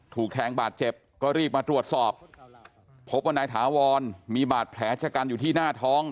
ถูกแทงบาดเจ็บก็รีบมาตรวจสอบพบว่านายถาวรมีบาดแผลชะกันอยู่ที่หน้าท้อง